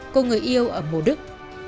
cô người yêu ở mùa đức